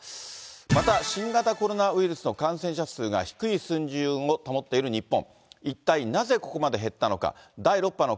また、新型コロナウイルスの感染者数が、低い水準を保っている日本。